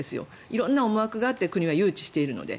色んな思惑があって国は誘致をしているので。